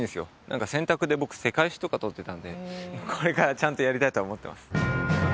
何か選択で僕世界史とかとってたんでこれからちゃんとやりたいとは思ってます